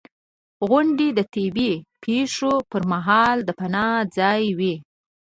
• غونډۍ د طبعي پېښو پر مهال د پناه ځای وي.